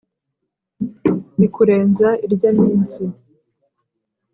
ikurenza irya minsi